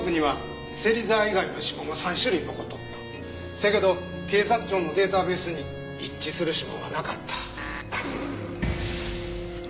せやけど警察庁のデータベースに一致する指紋はなかった。